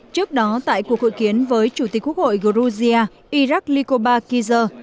trước đó tại cuộc hội kiến với chủ tịch quốc hội georgia irak likobar kizer